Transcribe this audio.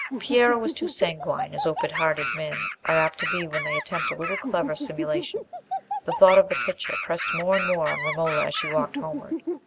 Piero was too sanguine, as open hearted men are apt to be when they attempt a little clever simulation. The thought of the picture pressed more and more on Romola as she walked homeward.